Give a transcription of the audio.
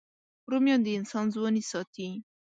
رومیان د انسان ځواني ساتي